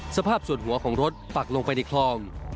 สภาพส่วนหัวของรถปักลงไปในคลอง